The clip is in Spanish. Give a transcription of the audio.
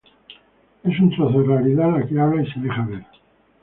Es un trozo de realidad la que habla y se deja ver.